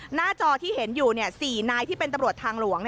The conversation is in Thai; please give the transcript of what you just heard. หน้าจอที่เห็นอยู่๔นายที่เป็นตำรวจทางหลวง